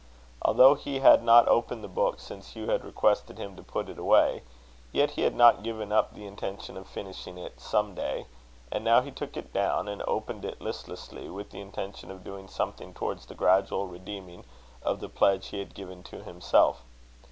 Although he had not opened the book since Hugh had requested him to put it away, yet he had not given up the intention of finishing it some day; and now he took it down, and opened it listlessly, with the intention of doing something towards the gradual redeeming of the pledge he had given to himself.